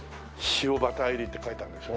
「塩バター入り」って書いてあるでしょ？